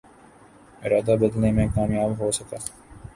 ارادہ بدلنے میں کامیاب ہو سکا